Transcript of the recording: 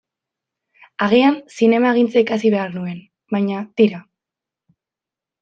Agian zinemagintza ikasi behar nuen, baina tira.